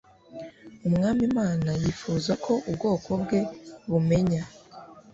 Umwami Imana yifuza ko ubwoko bwe bumenya